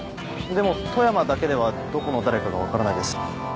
でも富山だけではどこの誰かが分からないです。